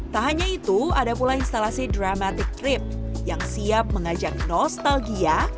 tak hanya itu ada pula instalasi dramatic trip yang siap mengajak nostalgia